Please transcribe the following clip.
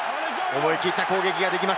思い切った攻撃ができます。